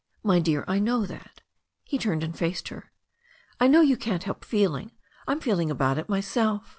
"My dear, I know that." He turned and faced her. "I know you can't help feeling. I'm feeling about it myself.